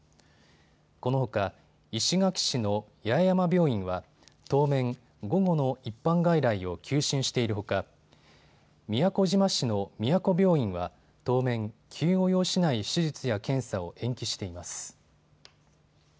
このほか石垣市の八重山病院は当面、午後の一般外来を休診しているほか宮古島市の宮古病院は当面、急を要しない手術や検査を延期しています。